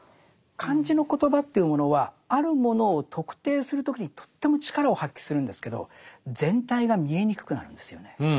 漢字の言葉というものはあるものを特定する時にとっても力を発揮するんですけど全体が見えにくくなるんですよね。